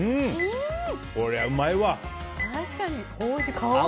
こりゃうまいわ。